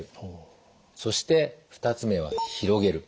そして２つ目は広げる。